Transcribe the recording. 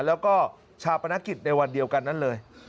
แล้วก็ชาปนกิจในวันเดียวกันนั้นเลย